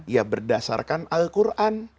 ya berdasarkan al quran